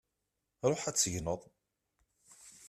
Ṛuḥ ad tegneḍ!